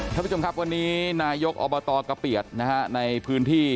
ท่านผู้ชมครับวันนี้นายกอบตกะเปียดนะฮะในพื้นที่